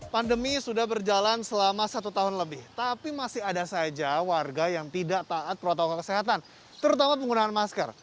pandemi sudah berjalan selama satu tahun lebih tapi masih ada saja warga yang tidak taat protokol kesehatan terutama penggunaan masker